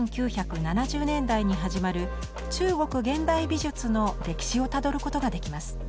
１９７０年代に始まる中国現代美術の歴史をたどることができます。